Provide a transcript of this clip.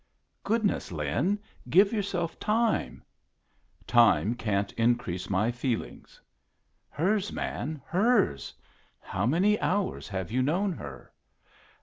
"Goodness, Lin! give yourself time!" "Time can't increase my feelings." "Hers, man, hers! How many hours have you known her?"